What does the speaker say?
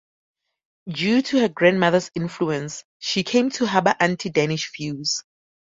Due to her grandmother's influence, she came to harbor anti-Danish views.